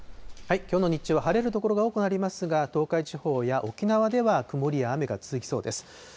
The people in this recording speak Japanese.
きょうの日中は晴れる所が多くなりますが、東海地方や沖縄では曇りや雨が続きそうです。